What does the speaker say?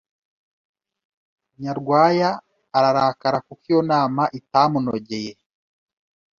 Nyarwaya ararakara kuko iyo nama itamunogeye